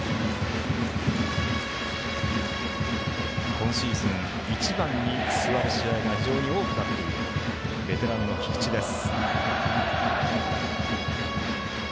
今シーズン１番に座る試合が非常に多くなっているベテランの菊池です。